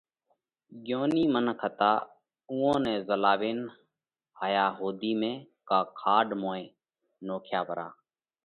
ڳيونِي منک هتا اُوئون نئہ زهلاوينَ هايا هوڌِي ۾ ڪا کاڏ موئين نکايا پرا۔